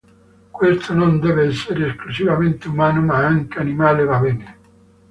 Questo non deve essere esclusivamente umano ma anche animale va bene.